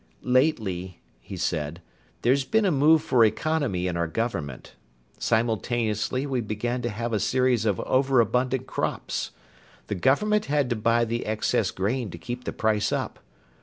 "Lately," he said, "there's been a move for economy in our government. Simultaneously, we began to have a series of overabundant crops. The government had to buy the excess grain to keep the price up.